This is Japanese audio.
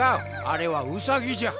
あれはウサギじゃ。